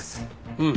うん。